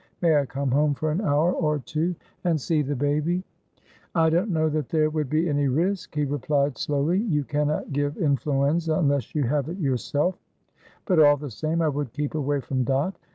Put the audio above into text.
May I come home for an hour or two and see baby?" "I don't know that there would be any risk," he replied, slowly; "you cannot give influenza unless you have it yourself; but, all the same, I would keep away from Dot.